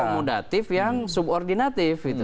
akomodatif yang subordinatif